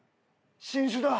新種だ。